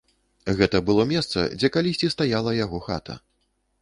Гэта было месца, дзе калісьці стаяла яго хата.